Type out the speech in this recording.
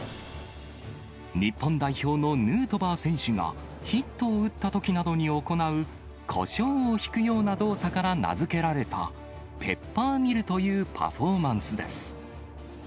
日本代表のヌートバー選手が、ヒットを打ったときなどに行うこしょうをひくような動作から名付けられた、ペッパーミルというパフォーマンスです。